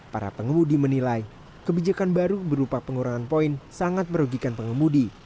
para pengemudi menilai kebijakan baru berupa pengurangan poin sangat merugikan pengemudi